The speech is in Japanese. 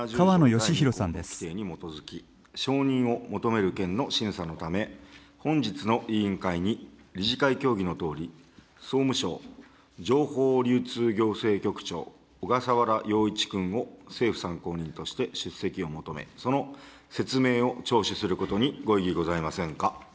第２項の規定に基づき、承認を求める件の審査のため、本日の委員会に、理事会協議のとおり、総務省情報流通行政局長、小笠原陽一君を政府参考人として出席を求め、その説明を聴取することにご異議ございませんか。